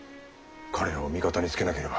彼らを味方につけなければ。